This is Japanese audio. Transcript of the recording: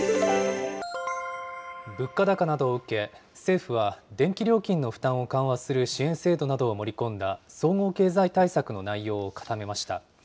物価高などを受け、政府は電気料金の負担を緩和する支援制度などを盛り込んだ、総合経済対策の内容を固めました。